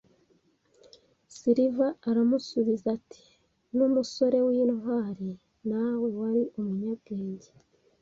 Silver aramusubiza ati: "Numusore w'intwari nawe wari umunyabwenge."